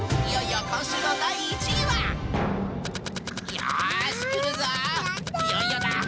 いよいよだ！